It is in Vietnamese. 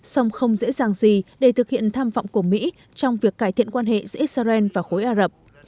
song không dễ dàng gì để thực hiện tham vọng của mỹ trong việc cải thiện quan hệ giữa israel và khối ả rập